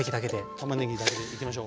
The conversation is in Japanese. たまねぎだけでいきましょう。